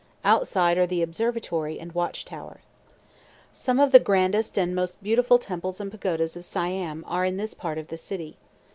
Outside are the observatory and watch tower. Some of the grandest and most beautiful temples and pagodas of Siam are in this part of the city.